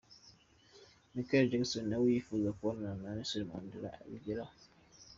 Michael Jackson nawe yifuje kubonana na Nelson Mandela abigeraho.